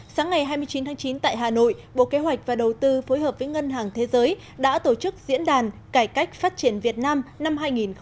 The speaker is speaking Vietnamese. sáng ngày hai mươi chín tháng chín tại hà nội bộ kế hoạch và đầu tư phối hợp với ngân hàng thế giới đã tổ chức diễn đàn cải cách phát triển việt nam năm hai nghìn một mươi chín